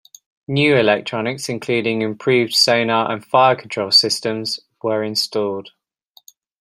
New electronics, including improved sonar and fire-control systems, were installed.